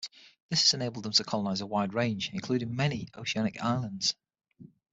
This has enabled them to colonize a wide range, including many oceanic islands.